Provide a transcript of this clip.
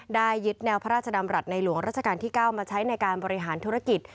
ยึดแนวพระราชดำรัฐในหลวงราชการที่๙มาใช้ในการบริหารธุรกิจ